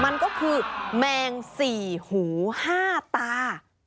มันก็คือแมงสี่หูห้าตา